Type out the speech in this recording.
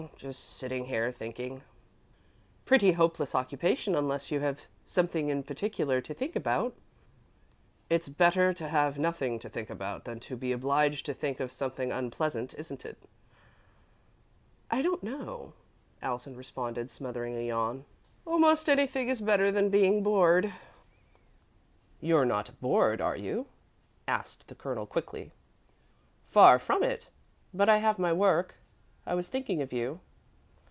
Just sitting here, thinking." "Pretty hopeless occupation unless you have something in particular to think about." "It's better to have nothing to think about than to be obliged to think of something unpleasant, isn't it?" "I don't know," Allison responded, smothering a yawn. "Almost anything is better than being bored." "You're not bored, are you?" asked the Colonel, quickly. "Far from it, but I have my work. I was thinking of you."